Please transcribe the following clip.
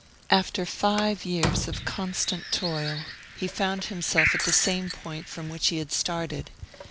After five years of constant toil, he found himself at the same point from which he had started.